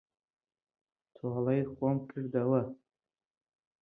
تۆڵەی خۆم کردەوە.